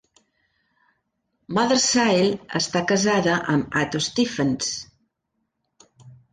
Mothersille està casada amb Ato Stephens.